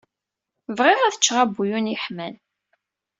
Bɣiɣ ad cceɣ abuyun yeḥman.